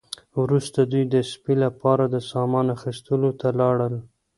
وروسته دوی د سپي لپاره د سامان اخیستلو ته لاړل